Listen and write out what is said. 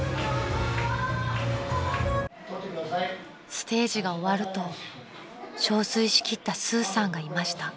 ［ステージが終わると憔悴しきったスーさんがいました］